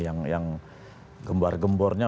yang gembar gembornya